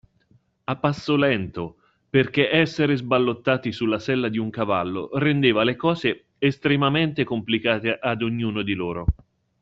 A passo lento perché essere sballottati sulla sella di un cavallo rendeva le cose estremamente complicate ad ognuno di loro.